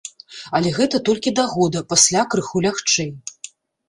Але гэта толькі да года, пасля крыху лягчэй.